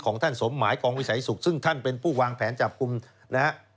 ท่านสมหมายกองวิสัยสุขซึ่งท่านเป็นผู้วางแผนจับกลุ่มนะฮะ